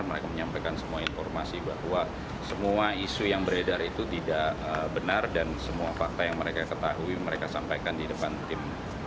mereka menyampaikan semua informasi bahwa semua isu yang beredar itu tidak benar dan semua fakta yang mereka ketahui mereka sampaikan di depan tim